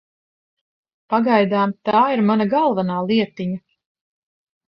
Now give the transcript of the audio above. Pagaidām tā ir mana galvenā lietiņa.